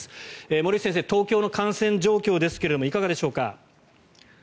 森内先生、東京の感染状況ですがいかがでしょうか。